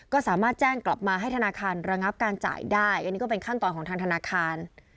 ก็สามารถแจ้งกลับมาให้ธนาคารระงับการจ่ายได้อันนี้ก็เป็นขั้นตอนของทางธนาคาร